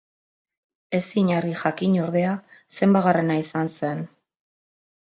Ezin argi jakin, ordea, zenbatgarrena izan zen.